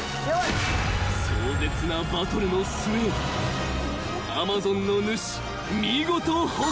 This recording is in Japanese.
［壮絶なバトルの末アマゾンの主見事捕獲］